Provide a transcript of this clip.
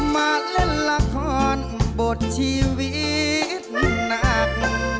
มาเล่นละครบทชีวิตหนัก